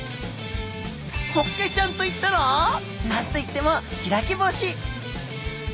ホッケちゃんと言ったら何と言っても開き干し。